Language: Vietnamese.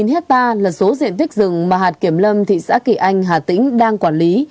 một mươi hectare là số diện tích rừng mà hạt kiểm lâm thị xã kỳ anh hà tĩnh đang quản lý